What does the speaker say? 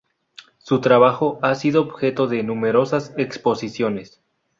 Su trabajo ha sido objeto de numerosas exposiciones.